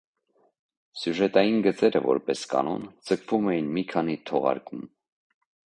Սյուժետային գծերը, որպես կանոն, ձգվում էին մի քանի թողարկում։